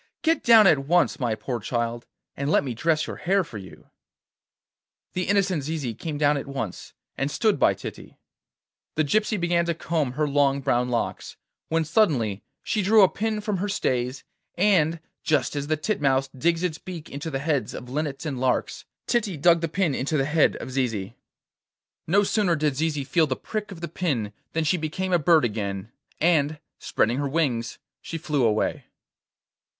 Get down at once, my poor child, and let me dress your hair for you!' The innocent Zizi came down at once, and stood by Titty. The gypsy began to comb her long brown locks, when suddenly she drew a pin from her stays, and, just as the titmouse digs its beak into the heads of linnets and larks, Titty dug the pin into the head of Zizi. No sooner did Zizi feel the prick of the pin than she became a bird again, and, spreading her wings, she flew away.